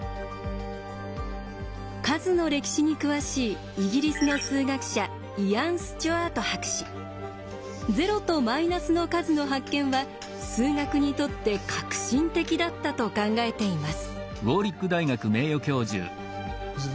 数の歴史に詳しいイギリスの数学者０とマイナスの数の発見は数学にとって革新的だったと考えています。